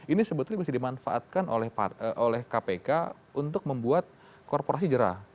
ini sebetulnya bisa dimanfaatkan oleh kpk untuk membuat korporasi jerah